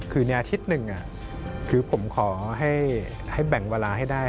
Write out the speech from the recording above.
คือในอาทิตย์หนึ่งคือผมขอให้แบ่งเวลาให้ได้